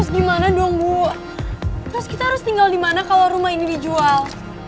gimana kalau rumah ini dijual